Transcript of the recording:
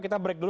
kita break dulu